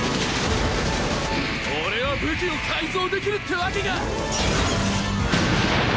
俺は武器を改造できるってわけか！